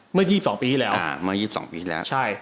เมื่อ๒๒ปีที่แล้ว